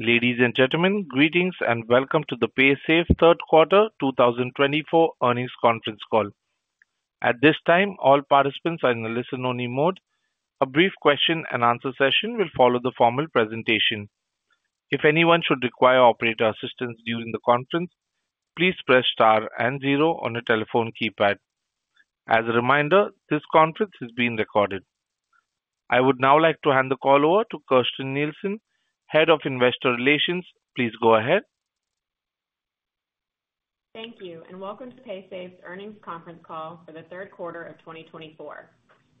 Ladies and gentlemen, greetings and welcome to the Paysafe Q3 2024 earnings conference call. At this time, all participants are in the listen-only mode. A brief question-and-answer session will follow the formal presentation. If anyone should require operator assistance during the conference, please press * and 0 on your telephone keypad. As a reminder, this conference is being recorded. I would now like to hand the call over to Kirsten Nielsen, Head of Investor Relations. Please go ahead. Thank you, and welcome to Paysafe's earnings conference call for Q3 of 2024.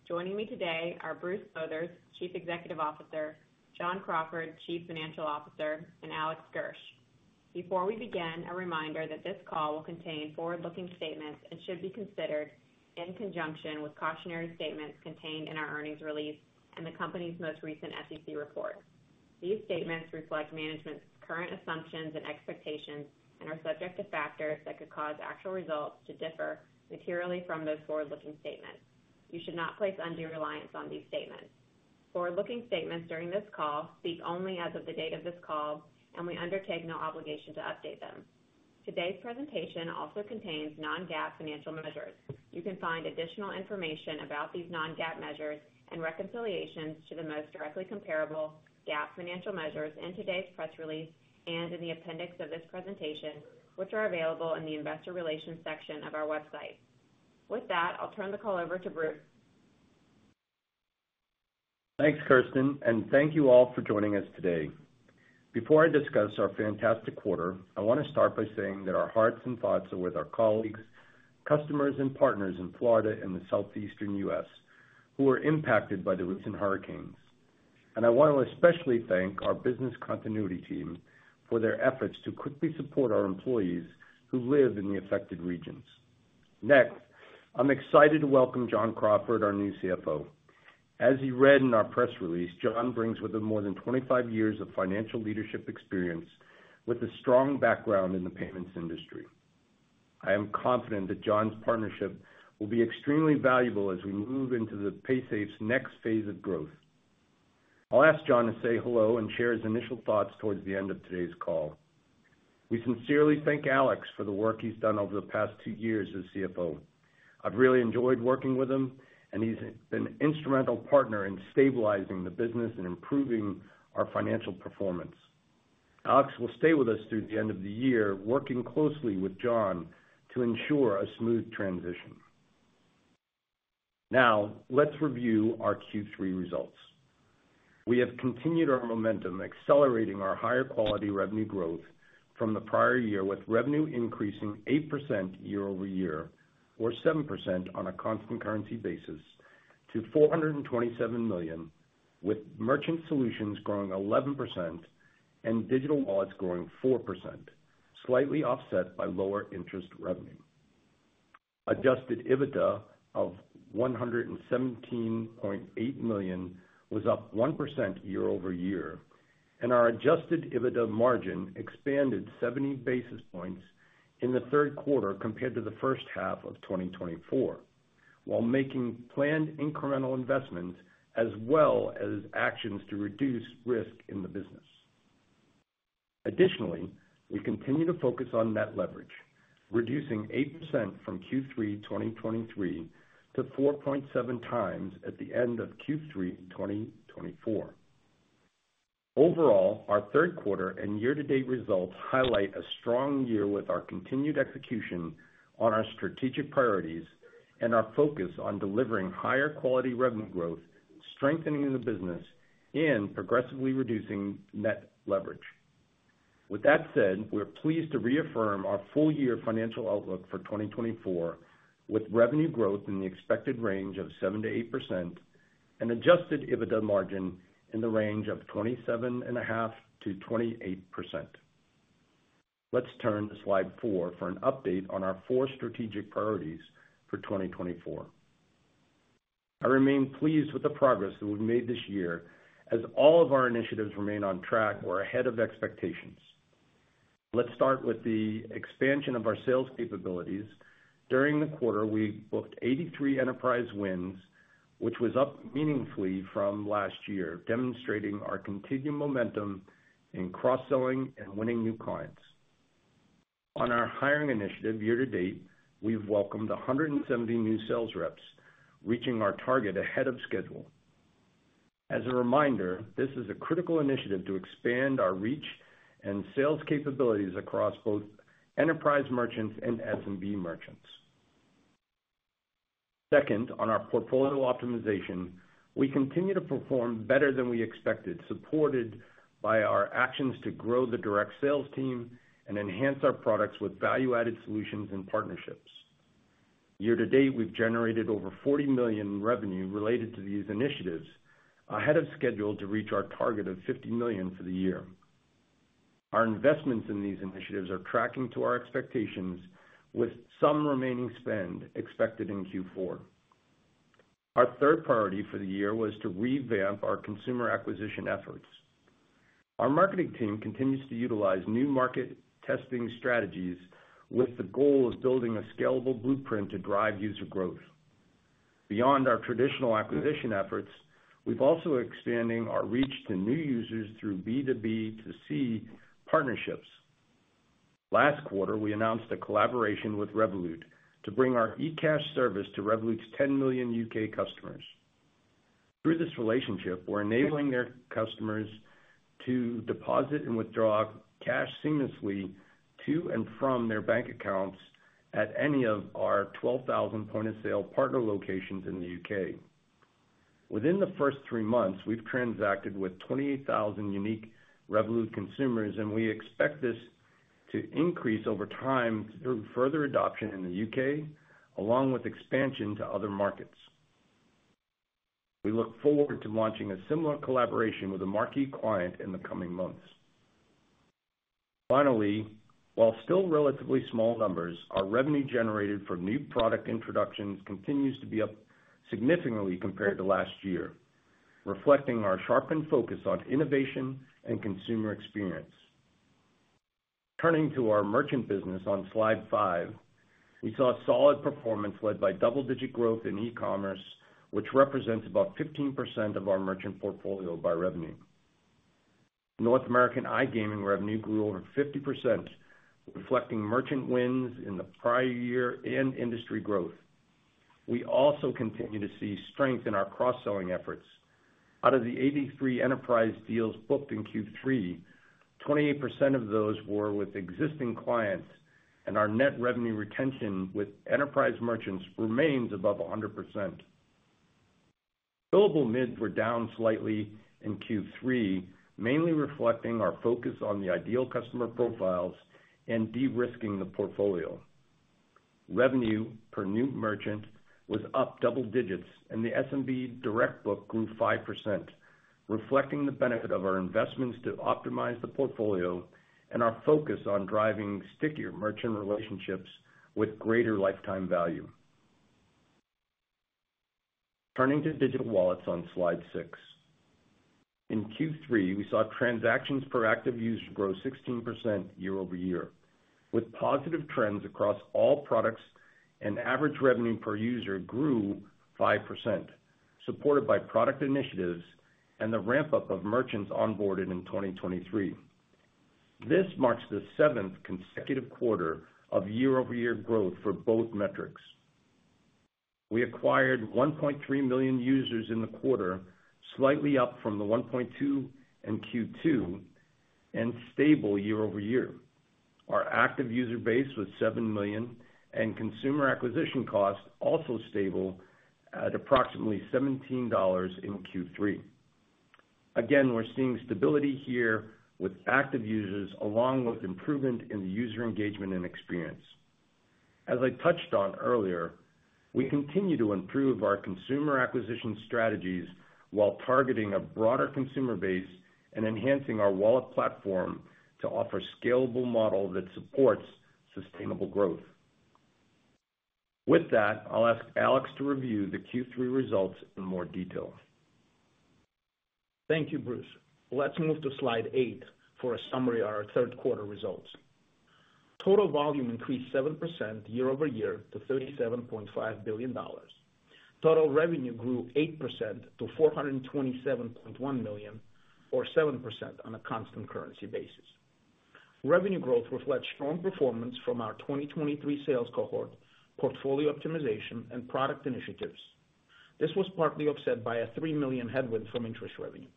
Joining me today are Bruce Lowthers, Chief Executive Officer; John Crawford, Chief Financial Officer; and Alex Gersh. Before we begin, a reminder that this call will contain forward-looking statements and should be considered in conjunction with cautionary statements contained in our earnings release and the company's most recent SEC report. These statements reflect management's current assumptions and expectations and are subject to factors that could cause actual results to differ materially from those forward-looking statements. You should not place undue reliance on these statements. Forward-looking statements during this call speak only as of the date of this call, and we undertake no obligation to update them. Today's presentation also contains non-GAAP financial measures. You can find additional information about these non-GAAP measures and reconciliations to the most directly comparable GAAP financial measures in today's press release and in the appendix of this presentation, which are available in the Investor Relations section of our website. With that, I'll turn the call over to Bruce. Thanks, Kirsten, and thank you all for joining us today. Before I discuss our fantastic quarter, I want to start by saying that our hearts and thoughts are with our colleagues, customers, and partners in Florida and the southeastern U.S. who were impacted by the recent hurricanes, and I want to especially thank our business continuity team for their efforts to quickly support our employees who live in the affected regions. Next, I'm excited to welcome John Crawford, our new CFO. As you read in our press release, John brings with him more than 25 years of financial leadership experience with a strong background in the payments industry. I am confident that John's partnership will be extremely valuable as we move into Paysafe's next phase of growth. I'll ask John to say hello and share his initial thoughts towards the end of today's call. We sincerely thank Alex for the work he's done over the past two years as CFO. I've really enjoyed working with him, and he's been an instrumental partner in stabilizing the business and improving our financial performance. Alex will stay with us through the end of the year, working closely with John to ensure a smooth transition. Now, let's review our Q3 results. We have continued our momentum, accelerating our higher-quality revenue growth from the prior year, with revenue increasing 8% year over year, or 7% on a constant currency basis, to $427 million, with merchant solutions growing 11% and digital wallets growing 4%, slightly offset by lower interest revenue. Adjusted EBITDA of $117.8 million was up 1% year over year, and our adjusted EBITDA margin expanded 70 basis points in Q3 compared to Q1 of 2024, while making planned incremental investments as well as actions to reduce risk in the business. Additionally, we continue to focus on net leverage, reducing 8% from Q3 2023 to 4.7 times at the end of Q3 2024. Overall, our Q3 and year-to-date results highlight a strong year with our continued execution on our strategic priorities and our focus on delivering higher-quality revenue growth, strengthening the business, and progressively reducing net leverage. With that said, we're pleased to reaffirm our full-year financial outlook for 2024, with revenue growth in the expected range of 7%-8% and adjusted EBITDA margin in the range of 27.5%-28%. Let's turn to slide 4 for an update on our four strategic priorities for 2024. I remain pleased with the progress that we've made this year, as all of our initiatives remain on track or ahead of expectations. Let's start with the expansion of our sales capabilities. During the quarter, we booked 83 enterprise wins, which was up meaningfully from last year, demonstrating our continued momentum in cross-selling and winning new clients. On our hiring initiative year-to-date, we've welcomed 170 new sales reps, reaching our target ahead of schedule. As a reminder, this is a critical initiative to expand our reach and sales capabilities across both enterprise merchants and SMB merchants. Second, on our portfolio optimization, we continue to perform better than we expected, supported by our actions to grow the direct sales team and enhance our products with value-added solutions and partnerships. Year-to-date, we've generated over $40 million in revenue related to these initiatives, ahead of schedule to reach our target of $50 million for the year. Our investments in these initiatives are tracking to our expectations, with some remaining spend expected in Q4. Our third priority for the year was to revamp our consumer acquisition efforts. Our marketing team continues to utilize new market testing strategies with the goal of building a scalable blueprint to drive user growth. Beyond our traditional acquisition efforts, we're also expanding our reach to new users through B2B-to-C partnerships. Last quarter, we announced a collaboration with Revolut to bring our eCash service to Revolut's 10 million U.K. customers. Through this relationship, we're enabling their customers to deposit and withdraw cash seamlessly to and from their bank accounts at any of our 12,000 point-of-sale partner locations in the U.K. Within the first three months, we've transacted with 28,000 unique Revolut consumers, and we expect this to increase over time through further adoption in the U.K., along with expansion to other markets. We look forward to launching a similar collaboration with a marquee client in the coming months. Finally, while still relatively small numbers, our revenue generated from new product introductions continues to be up significantly compared to last year, reflecting our sharpened focus on innovation and consumer experience. Turning to our merchant business on slide 5, we saw solid performance led by double-digit growth in e-commerce, which represents about 15% of our merchant portfolio by revenue. North American iGaming revenue grew over 50%, reflecting merchant wins in the prior year and industry growth. We also continue to see strength in our cross-selling efforts. Out of the 83 enterprise deals booked in Q3, 28% of those were with existing clients, and our net revenue retention with enterprise merchants remains above 100%. Billable MIDs were down slightly in Q3, mainly reflecting our focus on the ideal customer profiles and de-risking the portfolio. Revenue per new merchant was up double digits, and the SMB direct book grew 5%, reflecting the benefit of our investments to optimize the portfolio and our focus on driving stickier merchant relationships with greater lifetime value. Turning to digital wallets on slide 6, in Q3, we saw transactions per active user grow 16% year over year, with positive trends across all products, and average revenue per user grew 5%, supported by product initiatives and the ramp-up of merchants onboarded in 2023. This marks the seventh consecutive quarter of year-over-year growth for both metrics. We acquired 1.3 million users in the quarter, slightly up from the 1.2 in Q2, and stable year-over-year. Our active user base was 7 million, and consumer acquisition costs also stable at approximately $17 in Q3. Again, we're seeing stability here with active users, along with improvement in the user engagement and experience. As I touched on earlier, we continue to improve our consumer acquisition strategies while targeting a broader consumer base and enhancing our wallet platform to offer a scalable model that supports sustainable growth. With that, I'll ask Alex to review the Q3 results in more detail. Thank you, Bruce. Let's move to slide 8 for a summary of our Q3 results. Total volume increased 7% year-over-year to $37.5 billion. Total revenue grew 8% to $427.1 million, or 7% on a constant currency basis. Revenue growth reflects strong performance from our 2023 sales cohort, portfolio optimization, and product initiatives. This was partly offset by a $3 million headwind from interest revenue.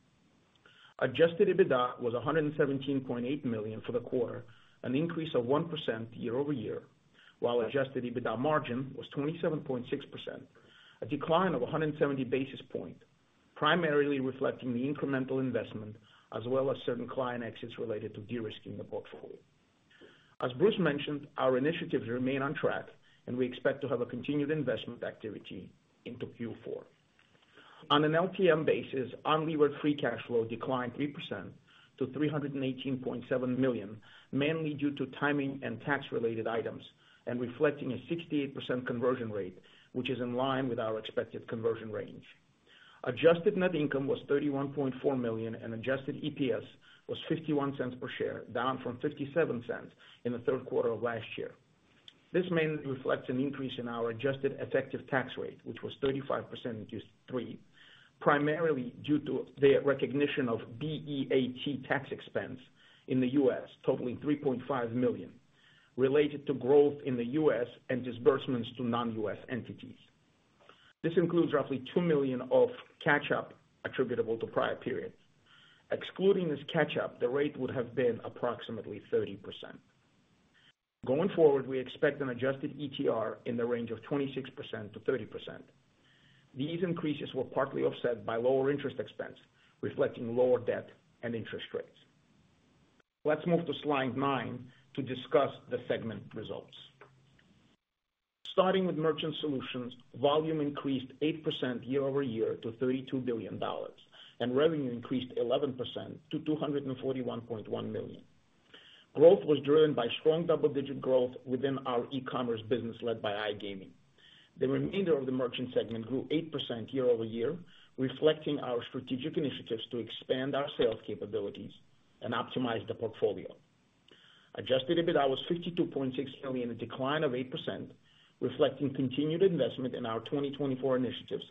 Adjusted EBITDA was $117.8 million for the quarter, an increase of 1% year-over-year, while adjusted EBITDA margin was 27.6%, a decline of 170 basis points, primarily reflecting the incremental investment as well as certain client exits related to de-risking the portfolio. As Bruce mentioned, our initiatives remain on track, and we expect to have continued investment activity into Q4. On an LTM basis, unlevered free cash flow declined 3% to $318.7 million, mainly due to timing and tax-related items, and reflecting a 68% conversion rate, which is in line with our expected conversion range. Adjusted net income was $31.4 million, and adjusted EPS was $0.51 per share, down from $0.57 in Q3 of last year. This mainly reflects an increase in our adjusted effective tax rate, which was 35% in Q3, primarily due to the recognition of BEAT tax expense in the U.S., totaling $3.5 million, related to growth in the U.S. and disbursements to non-U.S. entities. This includes roughly $2 million of catch-up attributable to prior periods. Excluding this catch-up, the rate would have been approximately 30%. Going forward, we expect an adjusted ETR in the range of 26%-30%. These increases were partly offset by lower interest expense, reflecting lower debt and interest rates. Let's move to slide 9 to discuss the segment results. Starting with Merchant Solutions, volume increased 8% year-over-year to $32 billion, and revenue increased 11% to $241.1 million. Growth was driven by strong double-digit growth within our e-commerce business led by iGaming. The remainder of the merchant segment grew 8% year-over-year, reflecting our strategic initiatives to expand our sales capabilities and optimize the portfolio. Adjusted EBITDA was $52.6 million in a decline of 8%, reflecting continued investment in our 2024 initiatives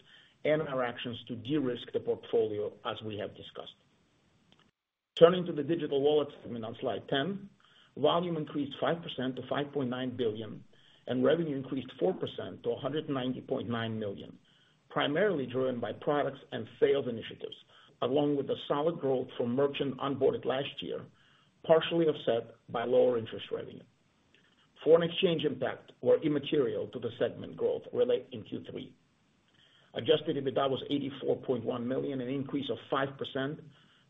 and our actions to de-risk the portfolio, as we have discussed. Turning to the Digital Wallet segment on slide 10, volume increased 5% to $5.9 billion, and revenue increased 4% to $190.9 million, primarily driven by products and sales initiatives, along with the solid growth from merchant onboarded last year, partially offset by lower interest revenue. Foreign exchange impacts were immaterial to the segment growth reported in Q3. Adjusted EBITDA was $84.1 million, an increase of 5%,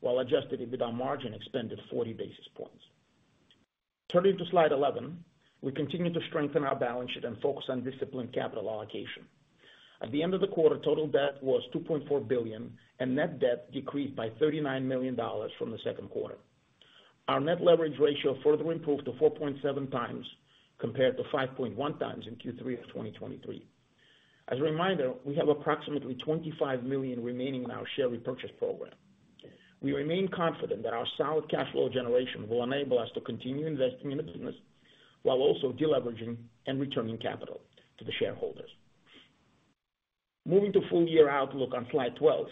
while adjusted EBITDA margin expanded 40 basis points. Turning to slide 11, we continue to strengthen our balance sheet and focus on disciplined capital allocation. At the end of the quarter, total debt was $2.4 billion, and net debt decreased by $39 million from the second quarter. Our net leverage ratio further improved to 4.7 times compared to 5.1 times in Q3 of 2023. As a reminder, we have approximately $25 million remaining in our share repurchase program. We remain confident that our solid cash flow generation will enable us to continue investing in the business while also deleveraging and returning capital to the shareholders. Moving to full-year outlook on slide 12,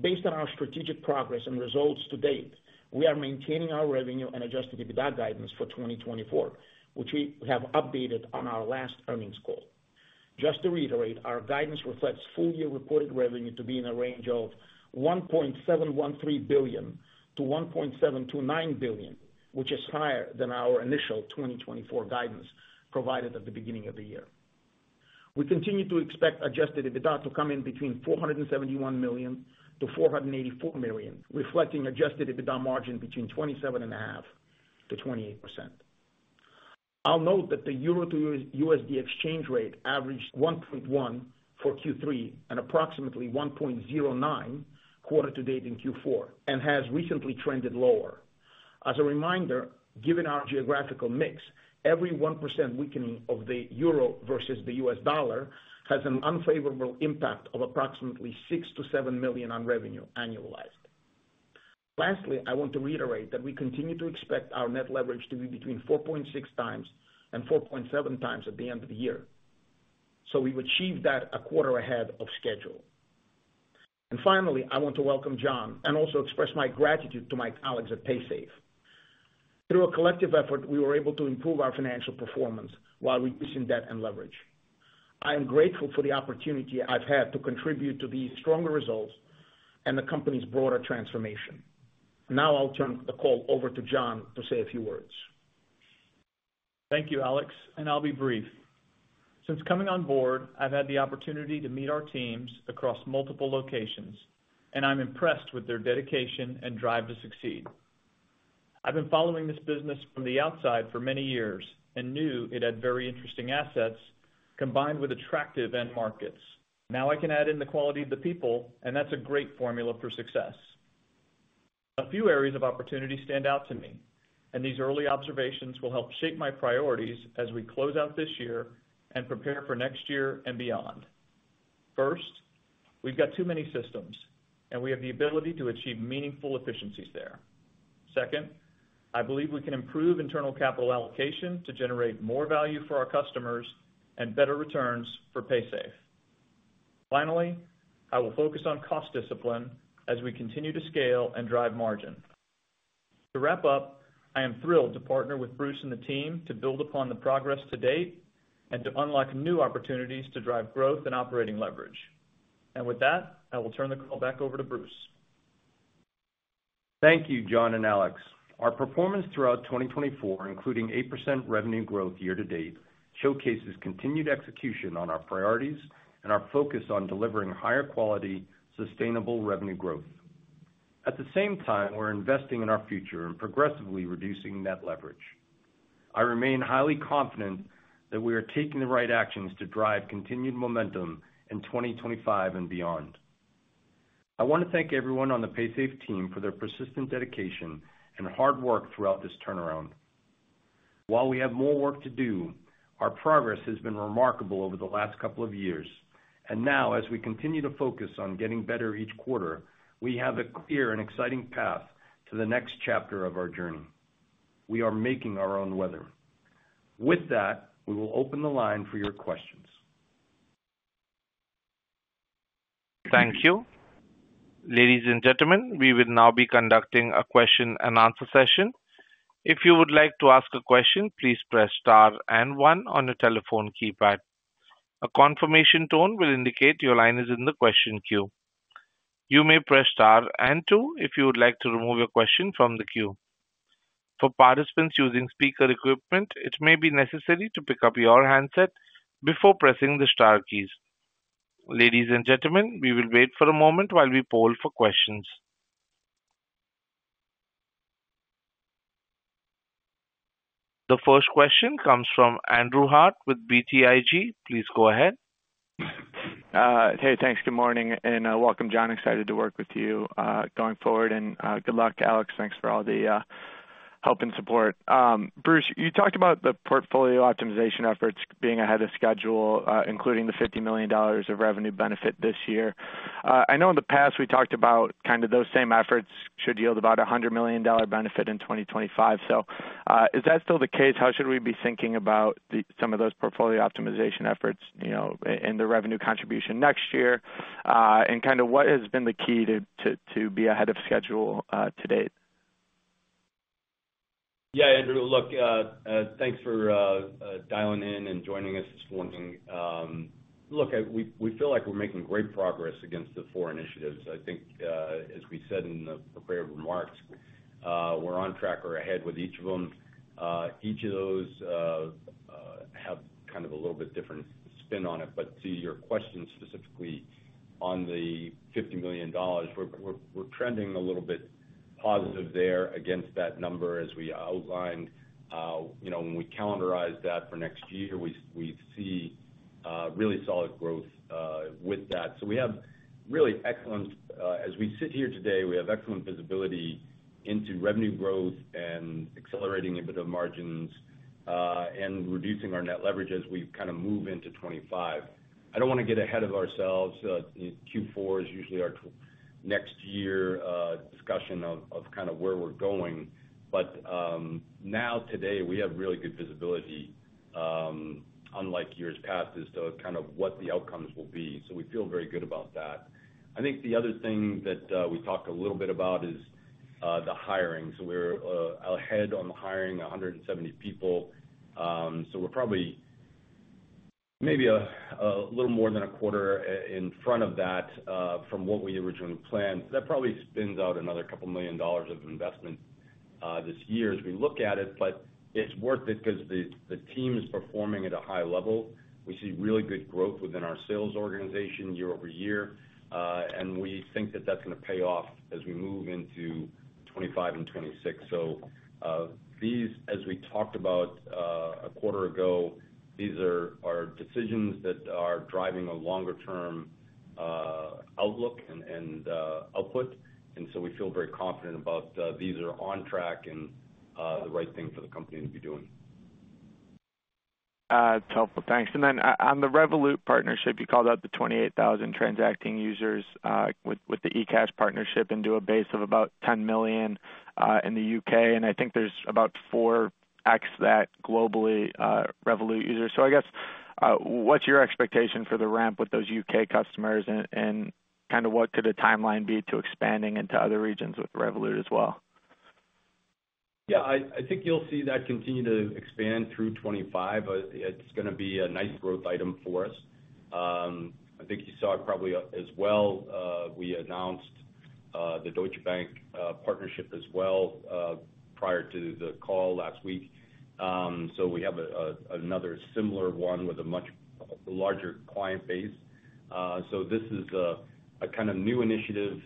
based on our strategic progress and results to date, we are maintaining our revenue and adjusted EBITDA guidance for 2024, which we have updated on our last earnings call. Just to reiterate, our guidance reflects full-year reported revenue to be in the range of $1.713 billion-$1.729 billion, which is higher than our initial 2024 guidance provided at the beginning of the year. We continue to expect Adjusted EBITDA to come in between $471 million-$484 million, reflecting Adjusted EBITDA margin between 27.5%-28%. I'll note that the euro to USD exchange rate averaged 1.1 for Q3 and approximately 1.09 quarter-to-date in Q4, and has recently trended lower. As a reminder, given our geographical mix, every 1% weakening of the euro versus the U.S. dollar has an unfavorable impact of approximately $6-$7 million on revenue annualized. Lastly, I want to reiterate that we continue to expect our Net Leverage to be between 4.6 times and 4.7 times at the end of the year, so we've achieved that a quarter ahead of schedule. Finally, I want to welcome John and also express my gratitude to my colleagues at Paysafe. Through a collective effort, we were able to improve our financial performance while reducing debt and leverage. I am grateful for the opportunity I've had to contribute to these stronger results and the company's broader transformation. Now I'll turn the call over to John to say a few words. Thank you, Alex, and I'll be brief. Since coming on board, I've had the opportunity to meet our teams across multiple locations, and I'm impressed with their dedication and drive to succeed. I've been following this business from the outside for many years and knew it had very interesting assets combined with attractive end markets. Now I can add in the quality of the people, and that's a great formula for success. A few areas of opportunity stand out to me, and these early observations will help shape my priorities as we close out this year and prepare for next year and beyond. First, we've got too many systems, and we have the ability to achieve meaningful efficiencies there. Second, I believe we can improve internal capital allocation to generate more value for our customers and better returns for Paysafe. Finally, I will focus on cost discipline as we continue to scale and drive margin. To wrap up, I am thrilled to partner with Bruce and the team to build upon the progress to date and to unlock new opportunities to drive growth and operating leverage. And with that, I will turn the call back over to Bruce. Thank you, John and Alex. Our performance throughout 2024, including 8% revenue growth year-to-date, showcases continued execution on our priorities and our focus on delivering higher-quality, sustainable revenue growth. At the same time, we're investing in our future and progressively reducing net leverage. I remain highly confident that we are taking the right actions to drive continued momentum in 2025 and beyond. I want to thank everyone on the Paysafe team for their persistent dedication and hard work throughout this turnaround. While we have more work to do, our progress has been remarkable over the last couple of years, and now, as we continue to focus on getting better each quarter, we have a clear and exciting path to the next chapter of our journey. We are making our own weather. With that, we will open the line for your questions. Thank you. Ladies and gentlemen, we will now be conducting a question-and-answer session. If you would like to ask a question, please press Star and 1 on your telephone keypad. A confirmation tone will indicate your line is in the question queue. You may press Star and 2 if you would like to remove your question from the queue. For participants using speaker equipment, it may be necessary to pick up your handset before pressing the Star keys. Ladies and gentlemen, we will wait for a moment while we poll for questions. The first question comes from Andrew Harte with BTIG. Please go ahead. Hey, thanks. Good morning, and welcome, John. Excited to work with you going forward, and good luck, Alex. Thanks for all the help and support. Bruce, you talked about the portfolio optimization efforts being ahead of schedule, including the $50 million of revenue benefit this year. I know in the past we talked about kind of those same efforts should yield about a $100 million benefit in 2025. So is that still the case? How should we be thinking about some of those portfolio optimization efforts and the revenue contribution next year? And kind of what has been the key to be ahead of schedule to date? Yeah, Andrew. Look, thanks for dialing in and joining us this morning. Look, we feel like we're making great progress against the four initiatives. I think, as we said in the prepared remarks, we're on track or ahead with each of them. Each of those have kind of a little bit different spin on it. But to your question, specifically on the $50 million, we're trending a little bit positive there against that number, as we outlined. When we calendarize that for next year, we see really solid growth with that. So we have really excellent, as we sit here today, we have excellent visibility into revenue growth and accelerating EBITDA margins and reducing our net leverage as we kind of move into 2025. I don't want to get ahead of ourselves. Q4 is usually our next year discussion of kind of where we're going. But now, today, we have really good visibility, unlike years past, as to kind of what the outcomes will be. So we feel very good about that. I think the other thing that we talked a little bit about is the hiring. So we're ahead on the hiring, 170 people. So we're probably maybe a little more than a quarter in front of that from what we originally planned. So that probably spins out another $2 million of investment this year as we look at it. But it's worth it because the team is performing at a high level. We see really good growth within our sales organization year over year, and we think that that's going to pay off as we move into 2025 and 2026. So these, as we talked about a quarter ago, these are decisions that are driving a longer-term outlook and output. And so we feel very confident about these are on track and the right thing for the company to be doing. That's helpful. Thanks. And then on the Revolut partnership, you called out the 28,000 transacting users with the eCash partnership into a base of about 10 million in the U.K. And I think there's about 40 million globally Revolut users. So I guess, what's your expectation for the ramp with those U.K. customers? And kind of what could a timeline be to expanding into other regions with Revolut as well? Yeah, I think you'll see that continue to expand through 2025. It's going to be a nice growth item for us. I think you saw it probably as well. We announced the Deutsche Bank partnership as well prior to the call last week. So we have another similar one with a much larger client base. So this is a kind of new initiative,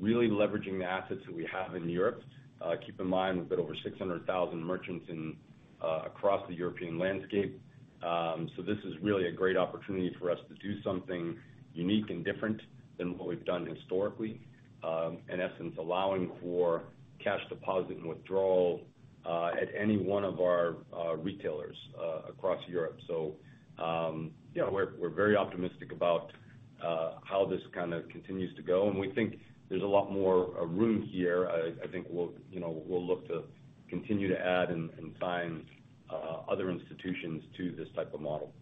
really leveraging the assets that we have in Europe. Keep in mind, we've got over 600,000 merchants across the European landscape. So this is really a great opportunity for us to do something unique and different than what we've done historically, in essence, allowing for cash deposit and withdrawal at any one of our retailers across Europe. So yeah, we're very optimistic about how this kind of continues to go. And we think there's a lot more room here. I think we'll look to continue to add and find other institutions to this type of model.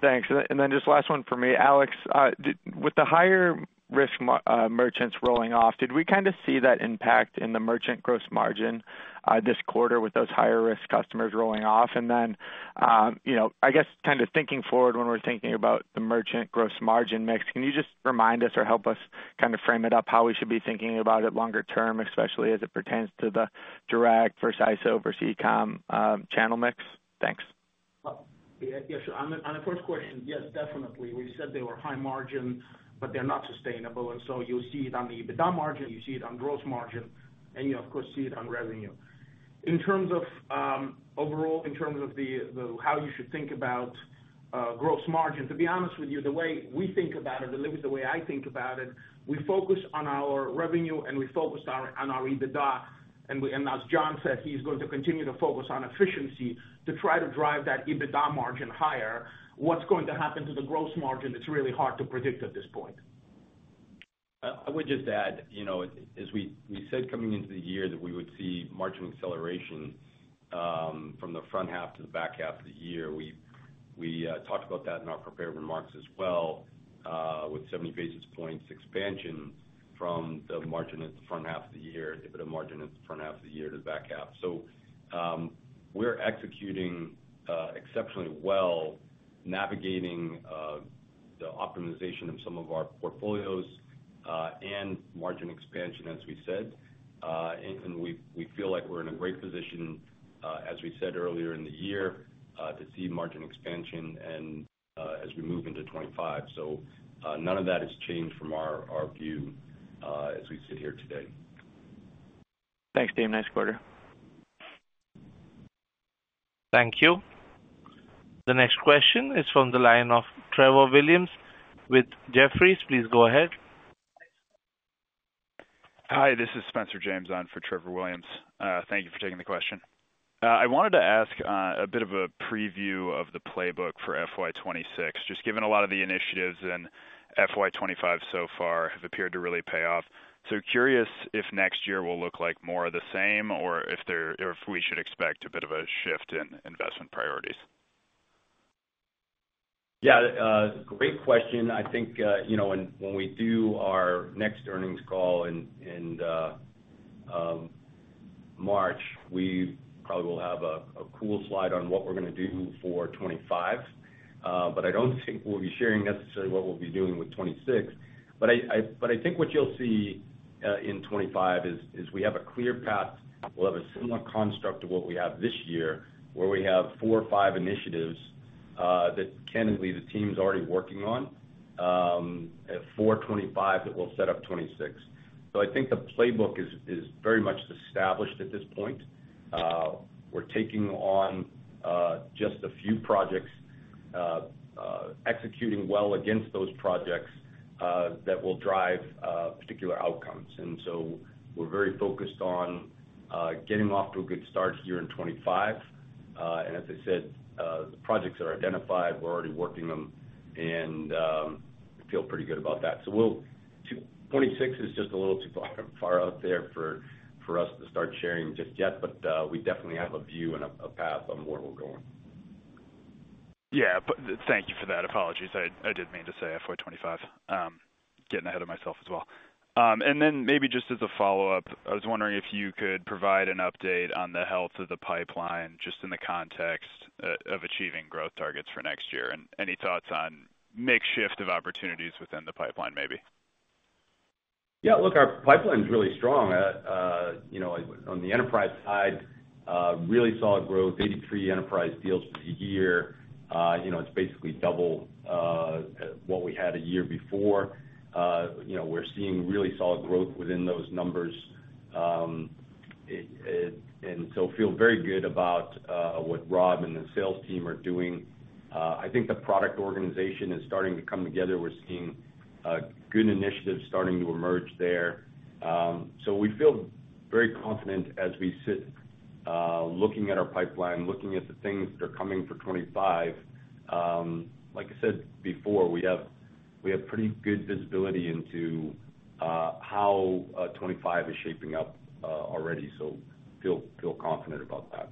Thanks. And then just last one for me, Alex. With the higher-risk merchants rolling off, did we kind of see that impact in the merchant gross margin this quarter with those higher-risk customers rolling off? And then I guess kind of thinking forward, when we're thinking about the merchant gross margin mix, can you just remind us or help us kind of frame it up how we should be thinking about it longer term, especially as it pertains to the direct versus ISO versus e-commerce channel mix? Thanks. Yeah, sure. On the first question, yes, definitely. We said they were high margin, but they're not sustainable, and so you'll see it on the EBITDA margin, you see it on gross margin, and you, of course, see it on revenue. In terms of overall, in terms of how you should think about gross margin, to be honest with you, the way we think about it, at least the way I think about it, we focus on our revenue and we focus on our EBITDA, and as John said, he's going to continue to focus on efficiency to try to drive that EBITDA margin higher. What's going to happen to the gross margin? It's really hard to predict at this point. I would just add, as we said coming into the year, that we would see margin acceleration from the front half to the back half of the year. We talked about that in our prepared remarks as well with 70 basis points expansion from the margin at the front half of the year, EBITDA margin at the front half of the year to the back half, so we're executing exceptionally well, navigating the optimization of some of our portfolios and margin expansion, as we said, and we feel like we're in a great position, as we said earlier in the year, to see margin expansion as we move into 2025, so none of that has changed from our view as we sit here today. Thanks, team. Nice quarter. Thank you. The next question is from the line of Trevor Williams with Jefferies. Please go ahead. Hi, this is Spencer James on for Trevor Williams. Thank you for taking the question. I wanted to ask a bit of a preview of the playbook for FY26, just given a lot of the initiatives in FY25 so far have appeared to really pay off. So curious if next year will look like more of the same or if we should expect a bit of a shift in investment priorities. Yeah, great question. I think when we do our next earnings call in March, we probably will have a cool slide on what we're going to do for 2025. But I don't think we'll be sharing necessarily what we'll be doing with 2026. But I think what you'll see in 2025 is we have a clear path. We'll have a similar construct to what we have this year, where we have four or five initiatives that candidly, the team's already working on for 2025 that we'll set up 2026. So I think the playbook is very much established at this point. We're taking on just a few projects, executing well against those projects that will drive particular outcomes. And so we're very focused on getting off to a good start here in 2025. And as I said, the projects are identified. We're already working them, and I feel pretty good about that, so 2026 is just a little too far out there for us to start sharing just yet, but we definitely have a view and a path on where we're going. Yeah, thank you for that. Apologies. I did mean to say FY25, getting ahead of myself as well. And then maybe just as a follow-up, I was wondering if you could provide an update on the health of the pipeline just in the context of achieving growth targets for next year. And any thoughts on the makeup of opportunities within the pipeline, maybe? Yeah, look, our pipeline is really strong. On the enterprise side, really solid growth, 83 enterprise deals for the year. It's basically double what we had a year before. We're seeing really solid growth within those numbers. And so feel very good about what Rob and the sales team are doing. I think the product organization is starting to come together. We're seeing good initiatives starting to emerge there. So we feel very confident as we sit looking at our pipeline, looking at the things that are coming for 2025. Like I said before, we have pretty good visibility into how 2025 is shaping up already. So feel confident about that.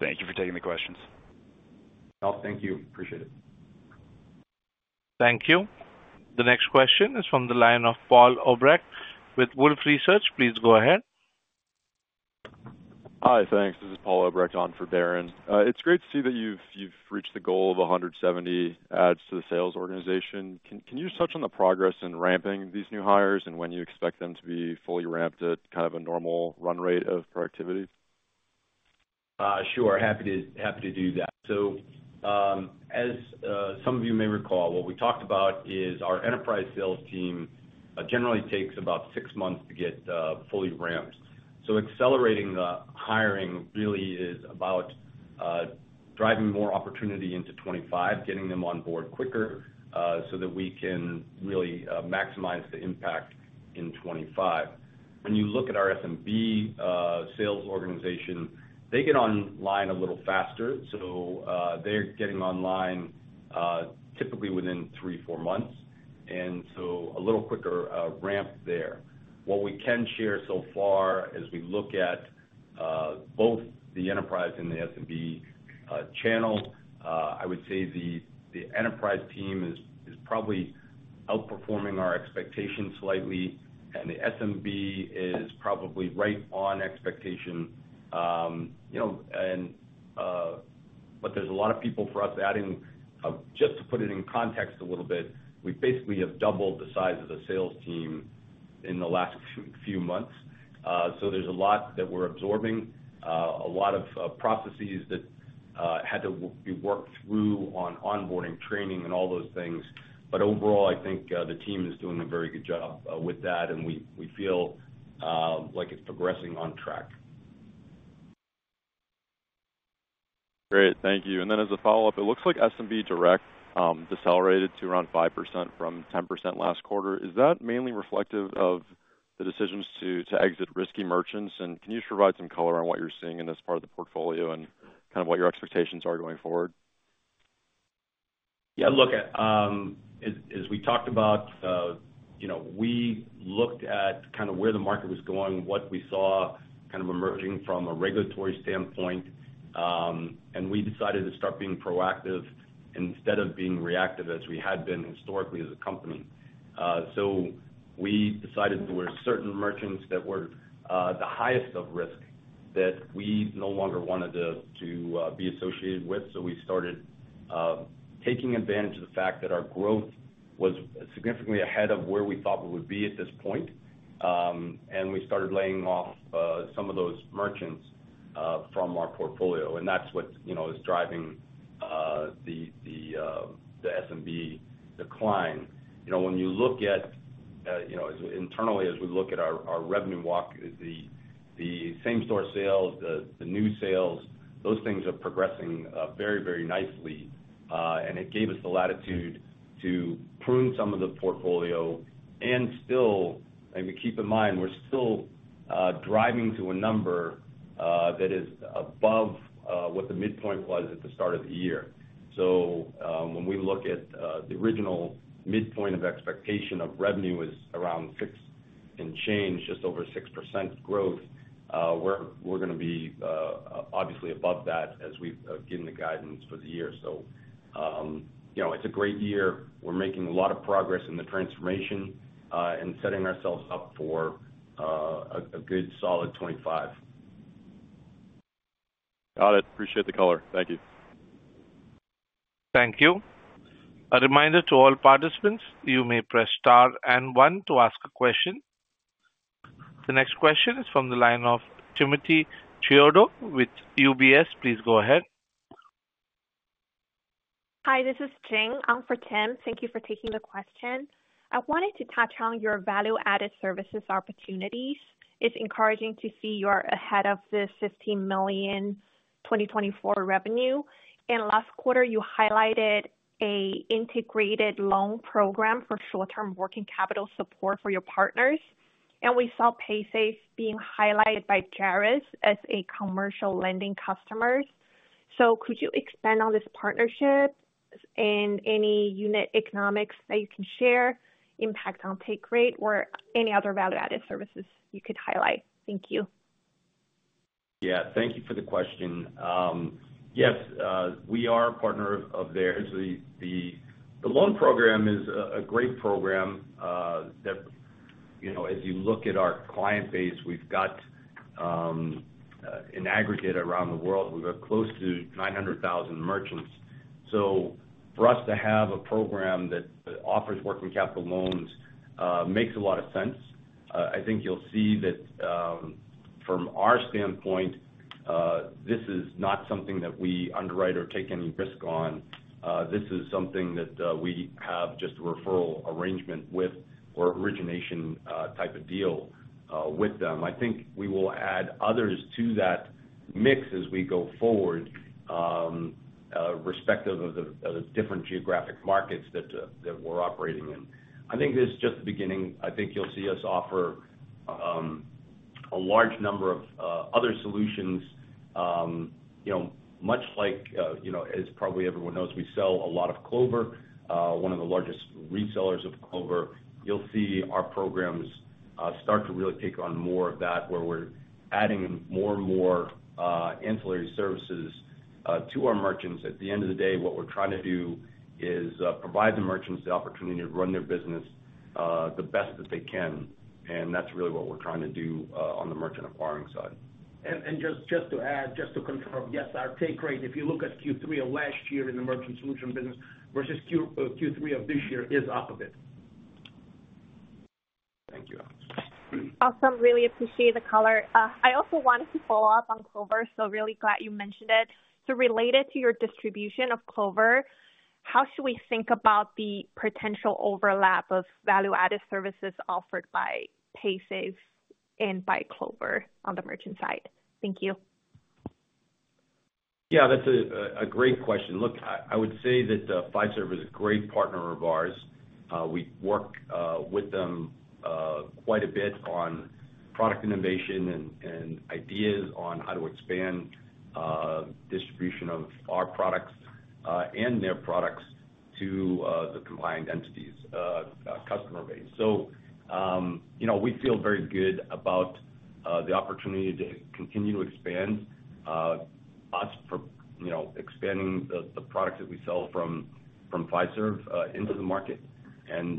Thank you for taking the questions. No, thank you. Appreciate it. Thank you. The next question is from the line of Paul Obrecht with Wolfe Research. Please go ahead. Hi, thanks. This is Paul Obrecht on for Darrin. It's great to see that you've reached the goal of 170 adds to the sales organization. Can you just touch on the progress in ramping these new hires and when you expect them to be fully ramped at kind of a normal run rate of productivity? Sure. Happy to do that. So as some of you may recall, what we talked about is our enterprise sales team generally takes about six months to get fully ramped. So accelerating the hiring really is about driving more opportunity into 2025, getting them on board quicker so that we can really maximize the impact in 2025. When you look at our SMB sales organization, they get online a little faster. So they're getting online typically within three, four months. And so a little quicker ramp there. What we can share so far as we look at both the enterprise and the SMB channel, I would say the enterprise team is probably outperforming our expectations slightly. And the SMB is probably right on expectation. But there's a lot of people for us adding. Just to put it in context a little bit, we basically have doubled the size of the sales team in the last few months. So there's a lot that we're absorbing, a lot of processes that had to be worked through on onboarding, training, and all those things. But overall, I think the team is doing a very good job with that, and we feel like it's progressing on track. Great. Thank you. And then as a follow-up, it looks like SMB direct decelerated to around 5% from 10% last quarter. Is that mainly reflective of the decisions to exit risky merchants? And can you just provide some color on what you're seeing in this part of the portfolio and kind of what your expectations are going forward? Yeah, look, as we talked about, we looked at kind of where the market was going, what we saw kind of emerging from a regulatory standpoint. And we decided to start being proactive instead of being reactive as we had been historically as a company. So we decided there were certain merchants that were the highest of risk that we no longer wanted to be associated with. So we started taking advantage of the fact that our growth was significantly ahead of where we thought we would be at this point. And we started laying off some of those merchants from our portfolio. And that's what is driving the SMB decline. When you look at internally, as we look at our revenue walk, the same-store sales, the new sales, those things are progressing very, very nicely. And it gave us the latitude to prune some of the portfolio. We keep in mind, we're still driving to a number that is above what the midpoint was at the start of the year. So when we look at the original midpoint of expectation of revenue is around six and change, just over 6% growth, we're going to be obviously above that as we've given the guidance for the year. So it's a great year. We're making a lot of progress in the transformation and setting ourselves up for a good solid 2025. Got it. Appreciate the color. Thank you. Thank you. A reminder to all participants, you may press star and one to ask a question. The next question is from the line of Timothy Chiodo with UBS. Please go ahead. Hi, this is Jing. I'm for Tim. Thank you for taking the question. I wanted to touch on your value-added services opportunities. It's encouraging to see you're ahead of the $15 million 2024 revenue, and last quarter, you highlighted an integrated loan program for short-term working capital support for your partners, and we saw Paysafe being highlighted by Jaris as a commercial lending customer, so could you expand on this partnership and any unit economics that you can share, impact on Paysafe, or any other value-added services you could highlight? Thank you. Yeah, thank you for the question. Yes, we are a partner of theirs. The loan program is a great program that as you look at our client base, we've got an aggregate around the world. We've got close to 900,000 merchants. So for us to have a program that offers working capital loans makes a lot of sense. I think you'll see that from our standpoint, this is not something that we underwrite or take any risk on. This is something that we have just a referral arrangement with or origination type of deal with them. I think we will add others to that mix as we go forward, respective of the different geographic markets that we're operating in. I think this is just the beginning. I think you'll see us offer a large number of other solutions, much like as probably everyone knows, we sell a lot of Clover, one of the largest resellers of Clover. You'll see our programs start to really take on more of that, where we're adding more and more ancillary services to our merchants. At the end of the day, what we're trying to do is provide the merchants the opportunity to run their business the best that they can, and that's really what we're trying to do on the merchant acquiring side. Just to add, just to confirm, yes, our take rate, if you look at Q3 of last year in the merchant solution business versus Q3 of this year, is up a bit. Thank you. Awesome. Really appreciate the color. I also wanted to follow up on Clover, so really glad you mentioned it. So related to your distribution of Clover, how should we think about the potential overlap of value-added services offered by Paysafe and by Clover on the merchant side? Thank you. Yeah, that's a great question. Look, I would say that Fiserv is a great partner of ours. We work with them quite a bit on product innovation and ideas on how to expand distribution of our products and their products to the combined entities' customer base. So we feel very good about the opportunity to continue to expand, us expanding the products that we sell from Fiserv into the market, and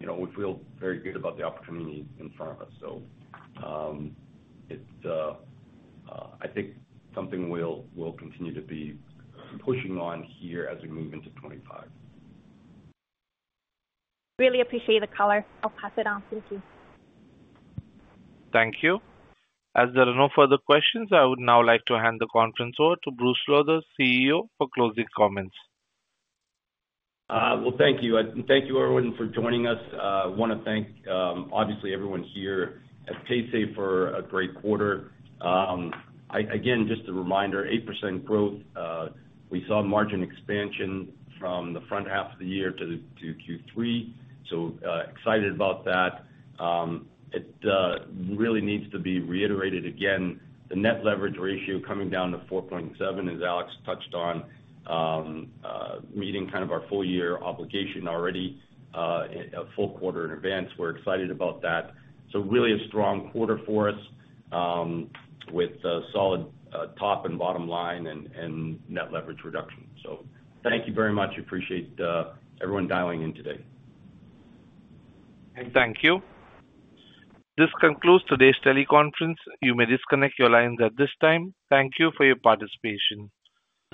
we feel very good about the opportunity in front of us, so I think something we'll continue to be pushing on here as we move into 2025. Really appreciate the color. I'll pass it on. Thank you. Thank you. As there are no further questions, I would now like to hand the conference over to Bruce Lowthers, CEO, for closing comments. Thank you. Thank you, everyone, for joining us. I want to thank, obviously, everyone here at Paysafe for a great quarter. Again, just a reminder, 8% growth. We saw margin expansion from the front half of the year to Q3. So excited about that. It really needs to be reiterated again. The net leverage ratio coming down to 4.7, as Alex touched on, meeting kind of our full-year obligation already a full quarter in advance. We're excited about that. So really a strong quarter for us with solid top and bottom line and net leverage reduction. So thank you very much. Appreciate everyone dialing in today. Thank you. This concludes today's teleconference. You may disconnect your lines at this time. Thank you for your participation.